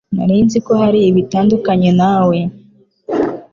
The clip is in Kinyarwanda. Nari nzi ko hari ibitandukanye nawe.